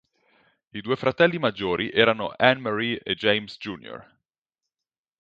I due fratelli maggiori erano Anne Marie e James Jr.